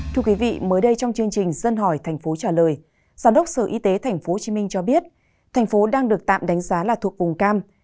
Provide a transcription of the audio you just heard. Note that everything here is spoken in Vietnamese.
thưa quý vị mới đây trong chương trình dân hỏi thành phố trả lời giám đốc sở y tế tp hcm cho biết thành phố đang được tạm đánh giá là thuộc vùng cam